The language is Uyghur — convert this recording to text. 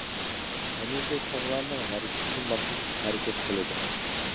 ھەمىشە چوڭلارنىڭ ھەرىكىتىگە ماسلىشىپ ھەرىكەت قىلىدۇ.